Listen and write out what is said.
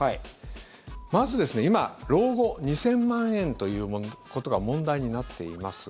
まずですね、今老後２０００万円ということが問題になっています。